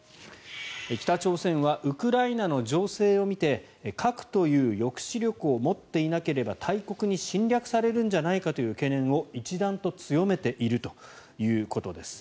北朝鮮はウクライナの情勢を見て核という抑止力を持っていなければ大国に侵略されるんじゃないかという懸念を一段と強めているということです。